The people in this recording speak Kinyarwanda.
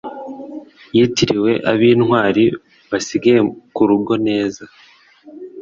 yitiriwe ab'intwari basigaye ku rugo neza.